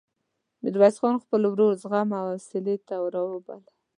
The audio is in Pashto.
ميرويس خان خپل ورور زغم او حوصلې ته راوباله.